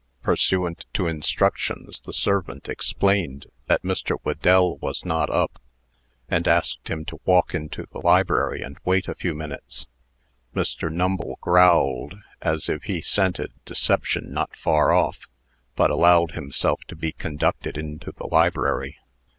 Pursuant to instructions, the servant explained that Mr. Whedell was not up, and asked him to walk into the library and wait a few minutes. Mr. Numble growled as if he scented deception not far off but allowed himself to be conducted into the library.